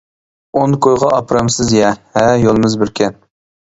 ئون كويغا ئاپىرامسىز يە؟ -ھە، يولىمىز بىركەن.